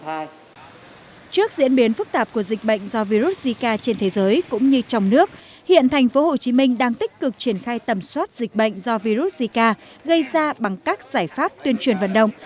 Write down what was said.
trước diễn biến phức tạp của dịch bệnh do virus zika trên thế giới cũng như trong nước hiện tp hcm đang tích cực triển khai tầm soát dịch bệnh do virus zika gây ra bằng các giải pháp tuyên truyền vận động